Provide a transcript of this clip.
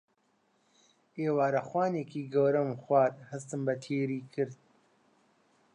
ئێوارەخوانێکی گەورەم خوارد و هەستم بە تێری کرد.